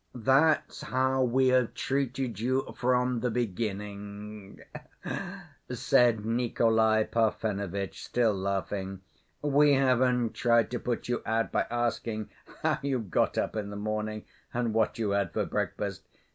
"That's how we have treated you from the beginning," said Nikolay Parfenovitch, still laughing. "We haven't tried to put you out by asking how you got up in the morning and what you had for breakfast.